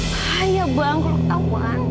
bahaya bang kau tahu bang